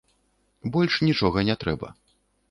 Больш нічога не трэба.